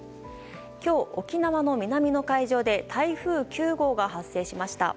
今日、沖縄の南の海上で台風９号が発生しました。